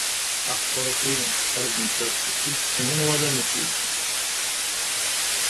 Aḥeqq Rebbi ar d nettat i yessnen wala nekki.